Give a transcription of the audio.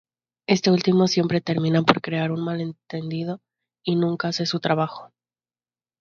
Este último siempre termina por crear un malentendido y nunca hace su trabajo.